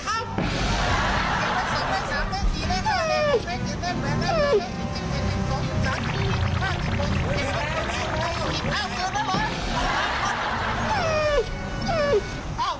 หนึ่งสองสามสี่ห้าหกเย็นแพนเก้าสิบ